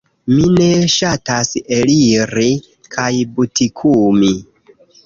Mi ne ŝatas eliri kaj butikumi